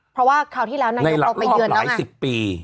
เพราะว่าคราวที่แล้วนายกไปเยือนในหลักหลับหลายสิบปี